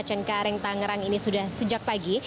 cengkareng tangerang ini sudah sejak pagi